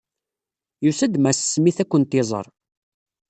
Yusa-d Mass Smith ad kent-iẓeṛ.